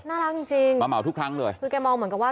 น่ารักจริงจริงมาเหมาทุกครั้งเลยคือแกมองเหมือนกับว่า